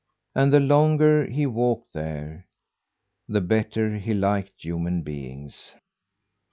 And the longer he walked there, the better he liked human beings.